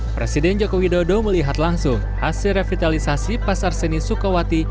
presiden joko widodo melihat langsung hasil revitalisasi pasar seni sukawati